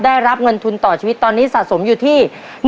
ได้รับเงินทุนต่อชีวิตตอนนี้สะสมอยู่ที่